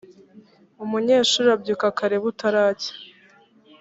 umunyeshuri abyuka kare butaracya